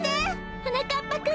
はなかっぱくん。